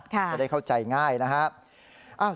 จะได้เข้าใจง่ายนะครับ